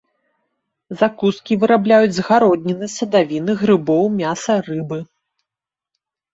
Закускі вырабляюць з гародніны, садавіны, грыбоў, мяса, рыбы.